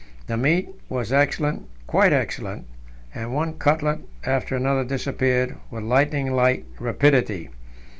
The meat was excellent, quite excellent, and one cutlet after another disappeared with lightning like rapidity.